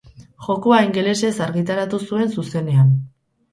Jokoa ingelesez argitaratu zuen zuzenean.